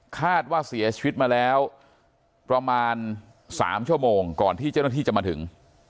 คาดว่าเสียชีวิตมาแล้วประมาณ๓ชั่วโมงก่อนที่เจ้าหน้าที่จะมาถึง